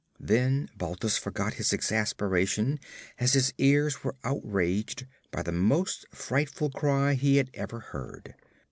Then Balthus forgot his exasperation as his ears were outraged by the most frightful cry he had ever heard.